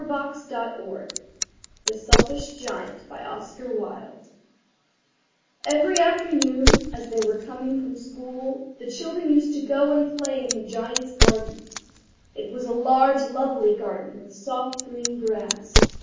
[Picture: The Selfish Giant] EVERY afternoon, as they were coming from school, the children used to go and play in the Giant's garden. It was a large lovely garden, with soft green grass.